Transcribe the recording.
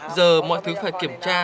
giờ mọi thứ phải kiểm tra